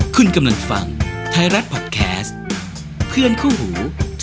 คุณกำลังฟังไทยรัฐพอดแคสต์เพื่อนคู่หู